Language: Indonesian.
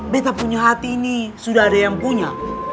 beta punya hati ini sudah ada yang punya